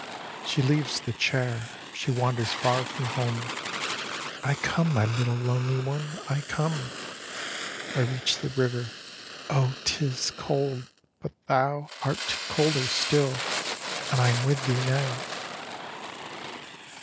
" She leaves the chair : she wanders far from home :" I come, my little lonely one, I come ! I reach the river : oh, 't is cold, but thou Art colder still, and I am with thee now."